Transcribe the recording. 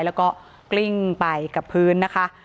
แล้วก็กลิ้งไปกับพื้นนะคะ